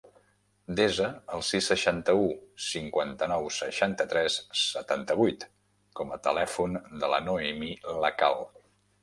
Desa el sis, seixanta-u, cinquanta-nou, seixanta-tres, setanta-vuit com a telèfon de la Noemí Lakhal.